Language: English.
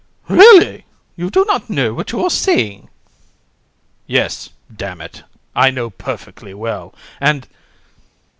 Really, you do not know what you are saying. HAR. Yes, d it, I know perfectly well; and